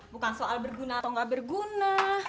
bukan soal berguna atau nggak berguna